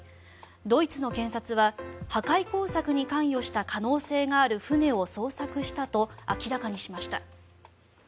ドイツの検察は破壊工作に関与した可能性がある船を捜索したと明らかにしました。